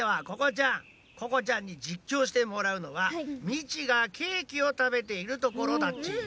ここちゃんに実況してもらうのはミチがケーキをたべているところだっち。